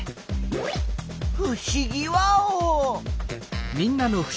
ふしぎワオ！